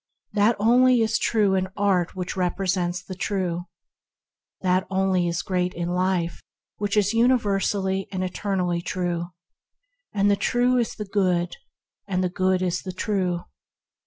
That only is true in art which represents the True; that only is great in life which is universally and eternally true. The True is the Good; and the Good is the True.